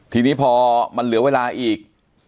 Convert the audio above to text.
ทีนี้พอมันเหลือเวลาอีก